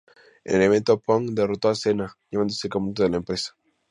En el evento, Punk derrotó a Cena, llevándose el campeonato de la empresa.